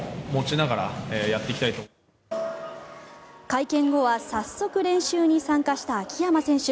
会見後は早速、練習に参加した秋山選手。